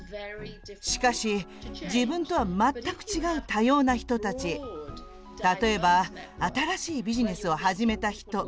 しかし、自分とは全く違う多様な人たち、例えば新しいビジネスを始めた人。